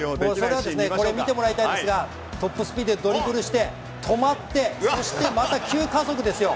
これ見てもらいたいんですがトップスピードでドリブルして止まってまた急加速ですよ。